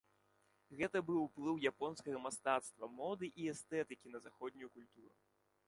Гэта быў уплыў японскага мастацтва, моды і эстэтыкі на заходнюю культуру.